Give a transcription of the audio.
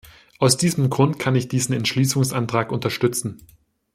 Aus diesem Grund kann ich diesen Entschließungsantrag unterstützen.